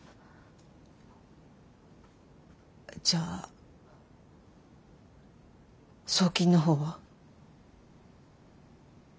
じゃあ送金の方は？